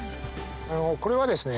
これはですね